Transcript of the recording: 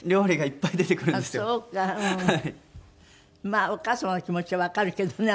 まあお母様の気持ちもわかるけどね。